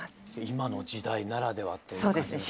今の時代ならではという感じがします。